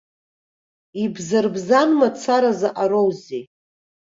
Ибзарбзан мацара заҟароузеи.